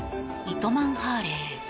糸満ハーレー。